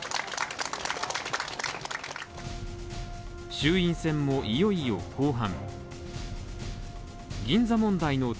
衆院選もいよいよ後半。